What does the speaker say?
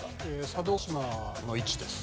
佐渡島の位置です。